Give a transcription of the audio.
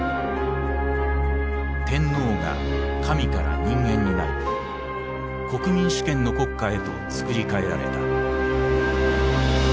天皇が「神」から「人間」になり国民主権の国家へとつくり替えられた。